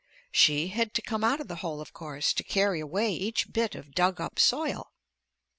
She had to come out of the hole of course to carry away each bit of dug up soil.